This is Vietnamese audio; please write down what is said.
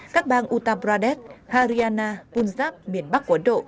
các bang uttar pradesh haryana punjab miền bắc của ấn độ